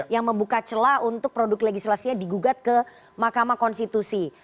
yang membuka celah untuk produk legislasinya digugat ke mahkamah konstitusi